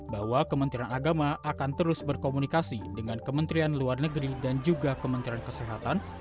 bahwa kementerian agama akan terus berkomunikasi dengan kementerian luar negeri dan juga kementerian kesehatan